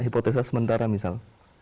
hipotesa sementara misal